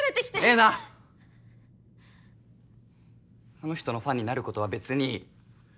この人のファンになることは別にいい。